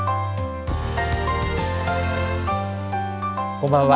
こんばんは。